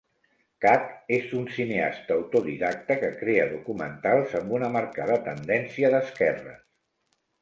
Kak és un cineasta autodidacta que crea documentals amb una marcada tendència d'esquerres.